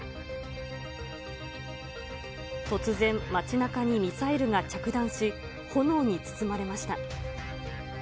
突然、街なかにミサイルが着弾し、炎に包まれました。